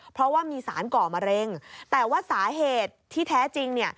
เพราะว่ามีสารก่อมะเร็งแต่ว่าสาเหตุที่แท้จริงเนี่ย